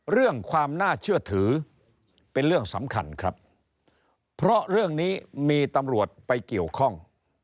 เรื่องความน่าเชื่อถือเป็นเรื่องสำคัญครับเพราะเรื่องนี้มีตำรวจไปเกี่ยวข้อง